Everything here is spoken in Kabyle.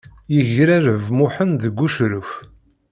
Yegrareb Muḥend deg ucruf.